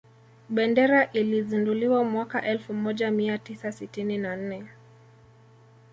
Bendera ilizinduliwa mwaka elfu moja mia tisa sitini na nne